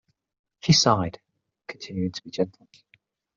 She sighed, continuing to be gentle.